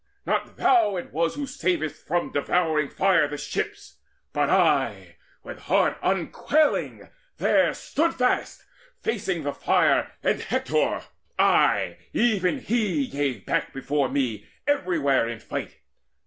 Not thou it was Who savedst from devouring fire the ships; But I with heart unquailing there stood fast Facing the fire and Hector ay, even he Gave back before me everywhere in fight.